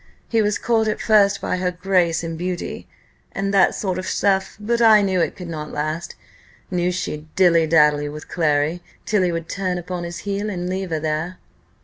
He was caught at first by her grace and beauty, and that sort of stuff; but I knew it could not last knew she'd dilly dally with Clary, till he would turn upon his heel and leave her there."